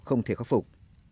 không thể khắc phục